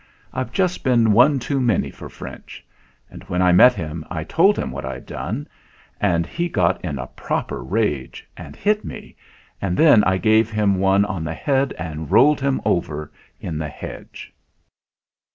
I've just been one too many for French ; and when I met him I told him what I'd done, and he got in a proper rage and hit me, and then I gave him one on the head and rolled him over in the hedge